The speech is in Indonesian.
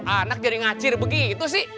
anak jadi ngacir begitu sih